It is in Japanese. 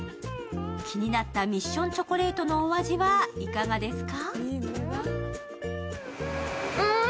気になったミッションチョコレートのお味はいかがですか？